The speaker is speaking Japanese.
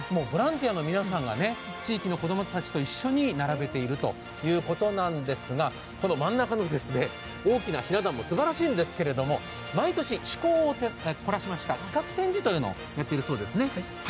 ボランティアの皆さんが地域の子供たちと一緒に並べているということなんですが、真ん中の大きなひな壇もすばらしいんですけれども、毎年、趣向を凝らしました企画展示というのをやっているそうなんですね。